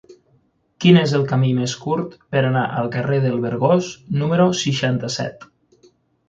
Quin és el camí més curt per anar al carrer dels Vergós número seixanta-set?